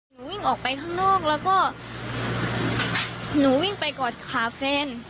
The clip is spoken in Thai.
วิ่งออกไปข้างนอกแล้วก็หนูวิ่งไปกอดขาแฟน